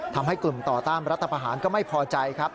ทำให้กลุ่มต่อต้านรัฐประหารก็ไม่พอใจครับ